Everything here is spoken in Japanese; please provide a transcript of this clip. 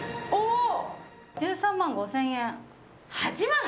１３万５０００円。